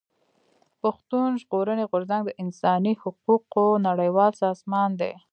پښتون ژغورني غورځنګ د انساني حقوقو نړيوال سازمان دی.